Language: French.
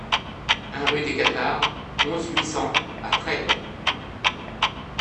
un rue des Cathares, onze, huit cents à Trèbes